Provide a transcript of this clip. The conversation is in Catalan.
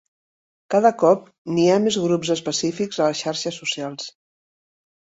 Cada cop n'hi ha més grups específics a les xarxes socials.